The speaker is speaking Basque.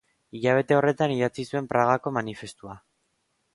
Hilabete horretan idatzi zuen Pragako manifestua.